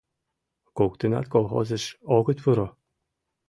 Коктынат колхозыш огыт пуро.